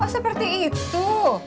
oh seperti itu